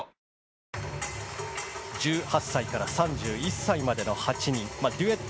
１８歳から３１歳までの８人。